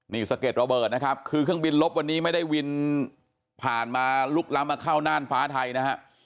นี่สะเก็ดระเบิดนะครับคือเครื่องบินลบวันนี้ไม่ได้วินผ่านมาลุกล้ำมาเข้าน่านฟ้าไทยนะฮะ